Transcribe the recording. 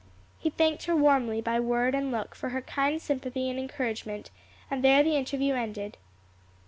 He thanked her warmly by word and look for her kind sympathy and encouragement, and there the interview ended.